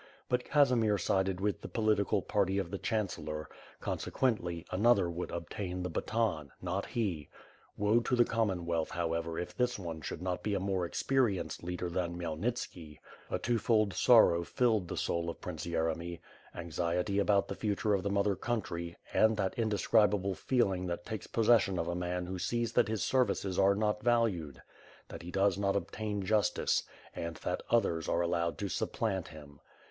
But Casimir sided with the political party of the chancellor, consequently, another would obtain the baton, not he. Woe to the Commonwealth, however, if this one should not be a more experienced leader than Khmyelnitski. A two fold sorrow filled the soul of Prince Yeremy — anxiety about the future of the mother country and that indescribable feel ing that takes possession of a man who sees that his services are not valued; that he does not obtain justice, and that others are allowed to supplant him.